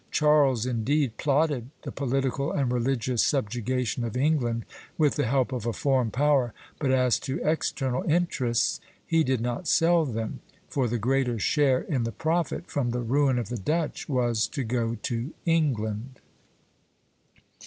Charles indeed plotted the political and religious subjugation of England with the help of a foreign power; but as to external interests, he did not sell them, for the greater share in the profit from the ruin of the Dutch was to go to England."